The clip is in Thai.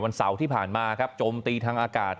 เสาร์ที่ผ่านมาครับจมตีทางอากาศ